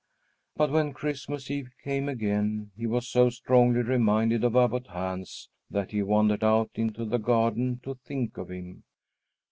But when Christmas Eve came again, he was so strongly reminded of Abbot Hans that he wandered out into the garden to think of him.